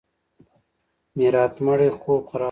میرات مړی خوب خراب شو.